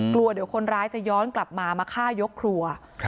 กลัวเดี๋ยวคนร้ายจะย้อนกลับมามาฆ่ายกครัว